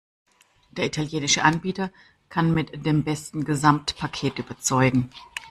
Der italienische Anbieter kann mit dem besten Gesamtpaket überzeugen.